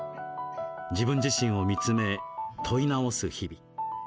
自分自身を見つめ問い直す日々。